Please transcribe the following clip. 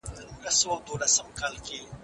د ښو اخلاقو رعایت د ټولنې ثبات رامنځته کوي.